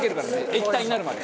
液体になるまで。